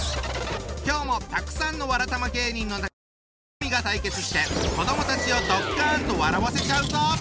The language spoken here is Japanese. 今日もたくさんのわらたま芸人の中から２組が対決して子どもたちをドッカンと笑わせちゃうぞ！